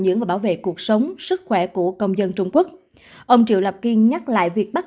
dưỡng và bảo vệ cuộc sống sức khỏe của công dân trung quốc ông triệu lập kiên nhắc lại việc bắt